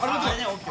ＯＫ。